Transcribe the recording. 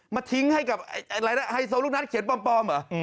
มาทิ้งให้โซลูกนัทเขียนป้อมหรือ